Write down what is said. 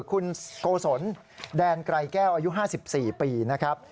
คุณโกศลแดนไกรแก้วอายุ๕๔ปีนะครับ